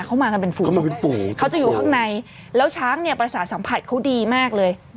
เขามากันเป็นฝูงเขามาเป็นฝูงเขาจะอยู่ข้างในแล้วช้างเนี่ยประสาทสัมผัสเขาดีมากเลย